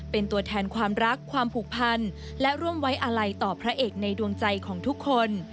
เป็นตัวแทนความรักความผูกพันและร่วมไว้อาลัยต่อพระเอกในดวงใจของทุกคน